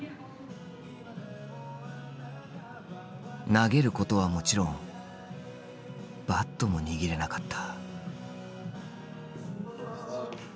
投げることはもちろんバットも握れなかった。